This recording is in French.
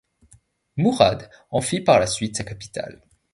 Murad en fit par la suite sa capitale.